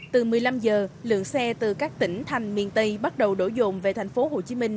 từ một mươi năm h lượng xe từ các tỉnh thành miền tây bắt đầu đổ dồn về thành phố hồ chí minh